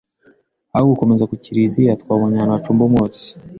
aho gukomeza kukiriziya twabonye ahantu hacumba umwotsi